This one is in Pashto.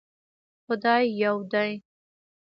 خدای يو دی